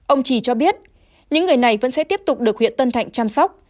ông trì cho biết những người này vẫn sẽ tiếp tục được huyện tân thạnh chăm sóc